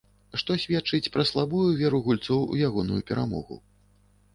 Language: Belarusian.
Што сведчыць пра слабую веру гульцоў у ягоную перамогу.